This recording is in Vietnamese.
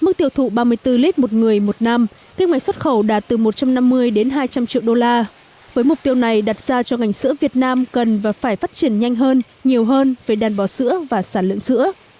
kim ngành xuất khẩu đạt một trăm năm mươi hai trăm linh triệu đô la với mục tiêu này đặt ra cho ngành sữa việt nam cần và phải phát triển nhanh hơn nhiều hơn về đàn bò sữa và sản lượng sữa